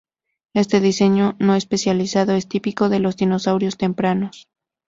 Este diseño no especializado es típico de los dinosaurios tempranos.